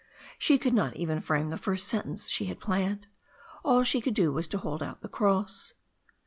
She could not even frame the first sentence she had planned. All she could do was to hold out the cross.